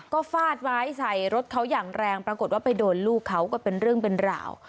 ก็ฟาดไว้ใส่รถเขาอย่างแรงปรากฏว่าไปโดนลูกเขาก็เป็นเรื่องเป็นราว